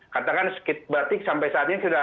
katakan berarti sampai saat ini sudah